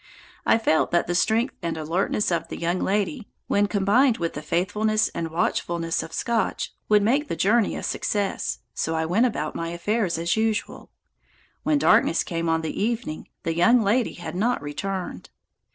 I felt that the strength and alertness of the young lady, when combined with the faithfulness and watchfulness of Scotch, would make the journey a success, so I went about my affairs as usual. When darkness came on that evening, the young lady had not returned.